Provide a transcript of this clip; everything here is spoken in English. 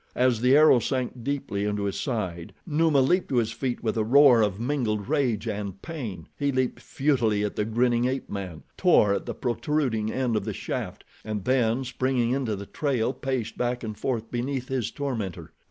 As the arrow sank deeply into his side, Numa leaped to his feet with a roar of mingled rage and pain. He leaped futilely at the grinning ape man, tore at the protruding end of the shaft, and then, springing into the trail, paced back and forth beneath his tormentor.